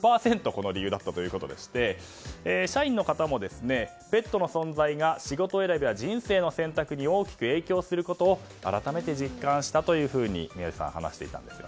この理由だったということでして社員の方も、ペットの存在が仕事選びや人生の選択に大きく影響することを改めて実感したというふうに話していたんです。